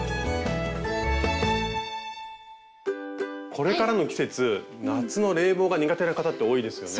これからの季節夏の冷房が苦手な方って多いですよね。